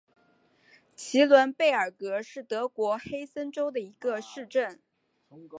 齐伦贝尔格是德国黑森州的一个市镇。